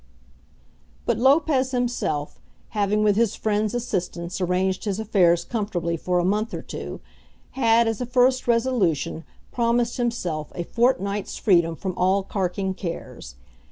But Lopez himself, having with his friend's assistance arranged his affairs comfortably for a month or two, had, as a first resolution, promised himself a fortnight's freedom from all carking cares.